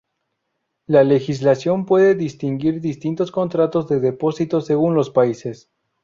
La legislación puede distinguir distintos contratos de depósito según los países.